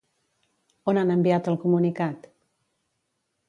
On han enviat el comunicat?